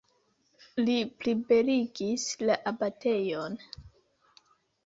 Li plibeligis la abatejon.